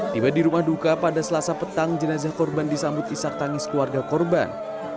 tiba di rumah duka pada selasa petang jenazah korban disambut isak tangis keluarga korban